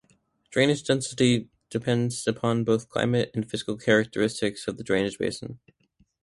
Drainage density depends upon both climate and physical characteristics of the drainage basin.